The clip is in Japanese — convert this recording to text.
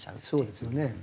そうですよね。